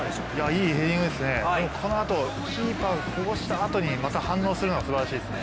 いいヘディングですね、このあとキーパーがこぼしたあとにまた反応するのがすばらしいですね。